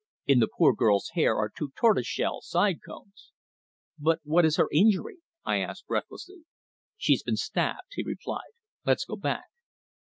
In the poor girl's hair are two tortoiseshell side combs." "But what is her injury?" I asked breathlessly. "She's been stabbed," he replied. "Let's go back."